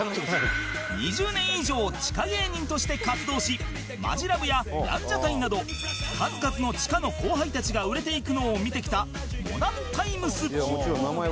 ２０年以上地下芸人として活動しマヂラブやランジャタイなど数々の地下の後輩たちが売れていくのを見てきたモダンタイムス